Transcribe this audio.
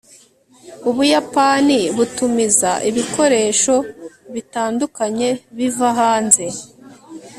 ubuyapani butumiza ibikoresho bitandukanye biva hanze